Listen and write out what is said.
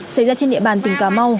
xảy ra trên địa bàn tỉnh cà mau